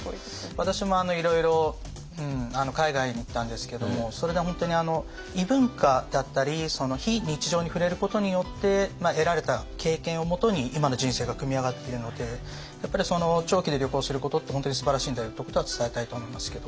私もいろいろ海外に行ったんですけどもそれで本当に異文化だったり非日常に触れることによって得られた経験をもとに今の人生が組み上がっているのでやっぱり長期で旅行することって本当にすばらしいんだよってことは伝えたいと思いますけど。